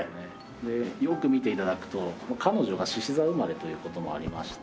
でよく見て頂くと彼女が獅子座生まれという事もありまして。